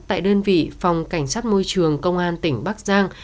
tại đơn vị phòng cảnh sát môi trường công an tỉnh bắc giang